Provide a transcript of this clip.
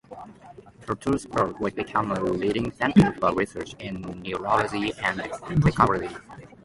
Petersburg, which became a leading center for research in neurology and psychology.